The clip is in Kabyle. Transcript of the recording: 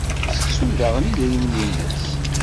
Tettu daɣen idrimen-nnes?